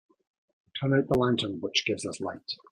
Turn out the lantern which gives us light.